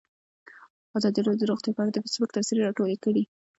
ازادي راډیو د روغتیا په اړه د فیسبوک تبصرې راټولې کړي.